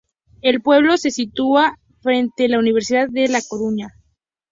El pueblo se sitúa frente la Universidad de la Coruña